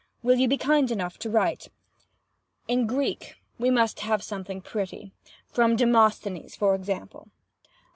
Will you be kind enough to write? "In Greek we must have some thing pretty—from Demosthenes, for example.